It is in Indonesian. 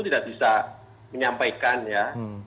tidak bisa menyampaikan ya